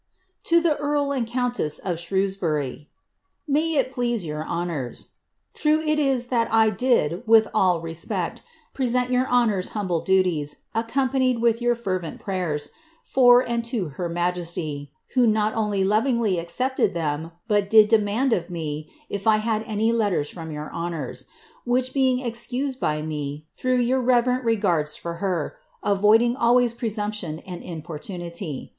*•* May it please your honours, —^ True it is that I did, with all respect, present your honours' humble duties, accompanied with your fervent prayers, for and to her majesty, who not only lovingly accepted of them, but did demand of me if I had any letters from your honours; which being excused by me, through your reverent regards for her, avoiding always presumption and impormnity.'